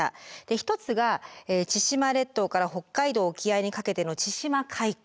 一つが千島列島から北海道沖合にかけての千島海溝。